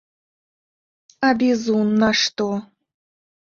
А бізун на што?